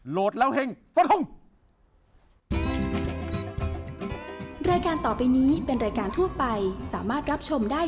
โหลดแล้วเฮ่งสวัสดีครับ